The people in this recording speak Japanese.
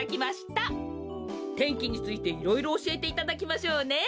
天気についていろいろおしえていただきましょうね。